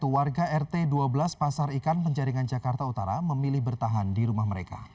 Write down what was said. warga rt dua belas pasar ikan penjaringan jakarta utara memilih bertahan di rumah mereka